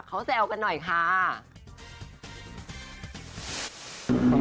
เขาแซวกันหน่อยค่ะ